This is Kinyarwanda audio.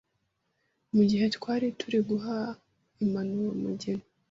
mu gihe twari turi guha impanuro umugeni